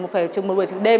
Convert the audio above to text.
phải trực một buổi trực đêm